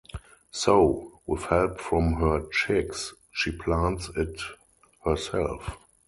So, with help from her chicks, she plants it herself.